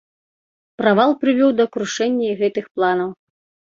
Правал прывёў да крушэння і гэтых планаў.